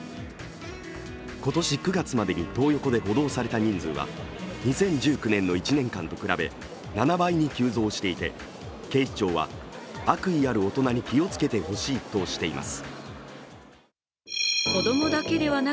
今年９月までにトー横で補導された人数は２０１９年の１年間と比べ７倍に急増していて警視庁は悪意ある大人に気をつけてほしいとしています。